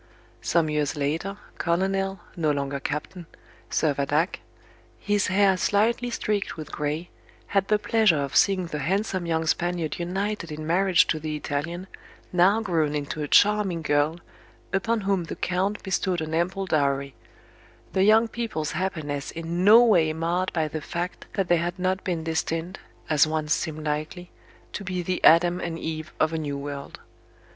Some years later, Colonel, no longer Captain, Servadac, his hair slightly streaked with grey, had the pleasure of seeing the handsome young Spaniard united in marriage to the Italian, now grown into a charming girl, upon whom the count bestowed an ample dowry; the young people's happiness in no way marred by the fact that they had not been destined, as once seemed likely, to be the Adam and Eve of a new world.